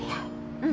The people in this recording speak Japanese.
うん。